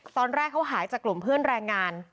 ตอนแรกเขาหายจากกลุ่มเพื่อนแรงงาน